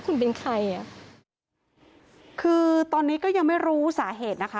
คุณเป็นใครอ่ะคือตอนนี้ก็ยังไม่รู้สาเหตุนะคะ